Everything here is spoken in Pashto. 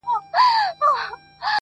ساقي وه را بللي رقیبان څه به کوو؟-